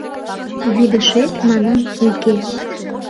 Вӱдышет, манам, уке.